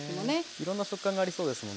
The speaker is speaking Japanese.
いろんな食感がありそうですものね。